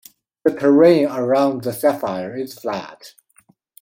The terrain around the Sapphire is flat.